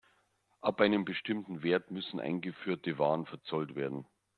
Ab einem bestimmten Wert müssen eingeführte Waren verzollt werden.